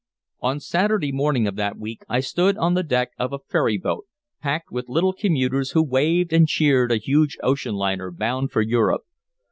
On Saturday morning of that week I stood on the deck of a ferryboat packed with little commuters who waved and cheered a huge ocean liner bound for Europe.